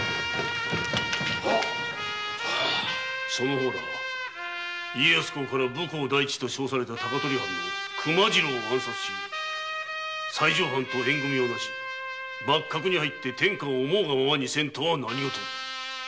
その方ら家康公から武功第一と称せられた高取藩の熊次郎を暗殺し西条藩と縁組みをなし幕閣に入って天下を思うがままにせんとは何ごとだ。